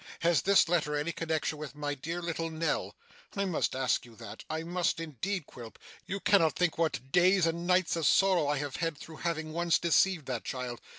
Has this letter any connexion with dear little Nell? I must ask you that I must indeed, Quilp. You cannot think what days and nights of sorrow I have had through having once deceived that child.